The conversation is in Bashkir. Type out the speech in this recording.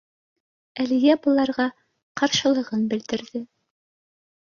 — Әлиә быларға ҡаршылығын белдерҙе.